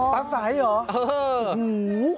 อ๋อปั๊บสายเหรอเออ